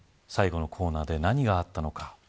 最後のコーナーで何があったのか。